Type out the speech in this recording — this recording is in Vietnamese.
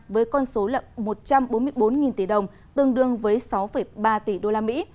với con số lập một trăm bốn mươi bốn tỷ đồng tương đương với sáu ba tỷ usd